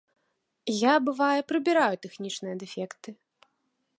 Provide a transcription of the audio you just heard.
Я, бывае, прыбіраю тэхнічныя дэфекты.